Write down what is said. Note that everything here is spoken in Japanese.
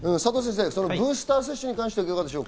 ブースター接種に関してはいかがでしょう？